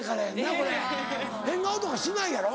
変顔とかしないやろ？